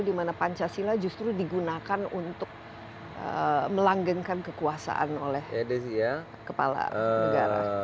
dimana pancasila justru digunakan untuk melanggengkan kekuasaan oleh kepala negara